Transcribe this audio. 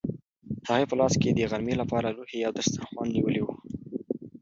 هغې په لاس کې د غرمې لپاره لوښي او دسترخوان نیولي وو.